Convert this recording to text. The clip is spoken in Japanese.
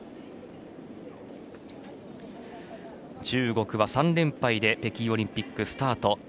中国は３連敗で北京オリンピックをスタート。